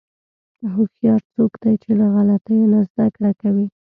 هوښیار څوک دی چې له غلطیو نه زدهکړه کوي.